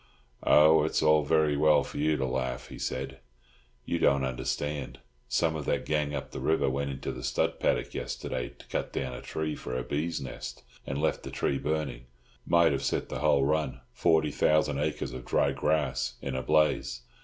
"Oh, it's all very well for you to laugh," he said; "you don't understand. Some of that gang up the river went into the stud paddock yesterday to cut down a tree for a bee's nest, and left the tree burning; might have set the whole run—forty thousand acres of dry grass—in a blaze.